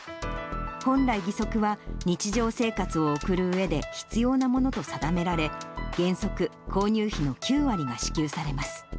本来、義足は日常生活を送るうえで必要なものと定められ、原則、購入費の９割が支給されます。